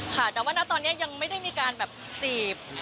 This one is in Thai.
ค่ะแต่ว่าณตอนนี้ยังไม่ได้มีการแบบจีบ